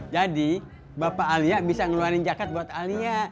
jadi bapak alia bisa ngeluarin jakat buat alia